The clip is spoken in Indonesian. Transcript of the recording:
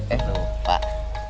gak usah pak